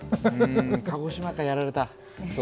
鹿児島か、やられた。